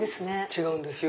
違うんですよ